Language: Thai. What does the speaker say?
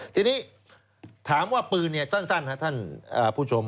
ทีนี้ถามว่าปืนสั้นครับท่านผู้ชม